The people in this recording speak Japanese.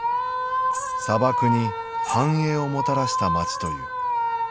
砂漠に繁栄をもたらした町という。